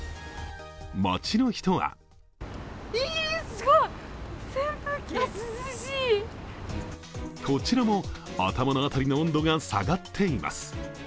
街の人はこちらも頭の辺りの温度が下がっています。